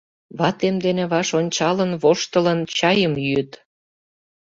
Ватем дене ваш ончалын, воштылын, чайым йӱыт.